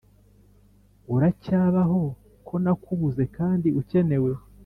Uracyabaho ko nakubuze kandi ukenewe